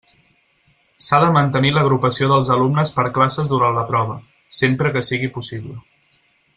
S'ha de mantenir l'agrupació dels alumnes per classes durant la prova, sempre que sigui possible.